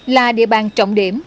là địa bàn trọng điểm